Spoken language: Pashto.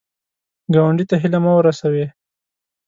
ګاونډي ته هیله مه ورسوې